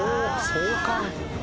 壮観。